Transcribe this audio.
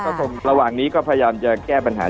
ระหว่างนี้ก็พยายามจะแก้ปัญหา